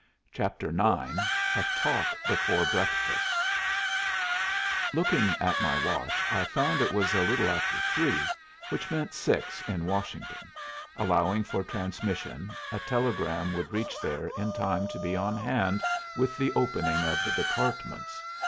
CHAPTER IX A TALK BEFORE BREAKFAST Looking at my watch, I found it was a little after three, which meant six in Washington: allowing for transmission, a telegram would reach there in time to be on hand with the opening of the Departments.